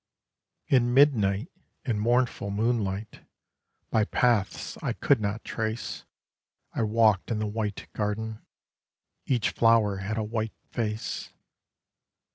In midnight, in mournful moonlight, By paths I could not trace, I walked in the white garden, Each flower had a white face.